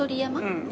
うん。